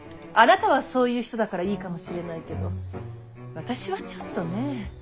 あなたはそういう人だからいいかもしれないけど私はちょっとねえ。